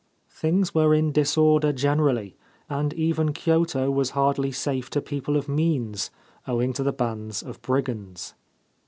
Things were in disorder generally, and even Kyoto was hardly safe to people of means, owing to the bands of brigands.